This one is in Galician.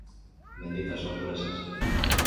Benditas sorpresas.